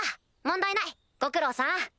問題ないご苦労さん。